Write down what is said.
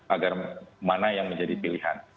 agar mana yang menjadi pilihan